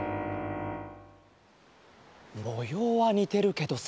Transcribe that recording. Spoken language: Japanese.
もようはにてるけどさ。